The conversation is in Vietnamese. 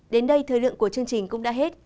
đến đây thời lượng của chương trình cũng đã hết